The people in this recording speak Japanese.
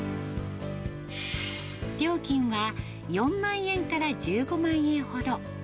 料金は４万円から１５万円ほど。